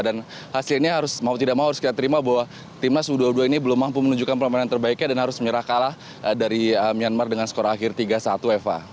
dan hasilnya harus mau tidak mau harus kita terima bahwa timnas u dua puluh dua ini belum mampu menunjukkan permainan terbaiknya dan harus menyerah kalah dari myanmar dengan skor akhir tiga puluh satu eva